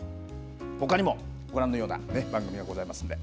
ほかにもご覧のような番組がございますんで。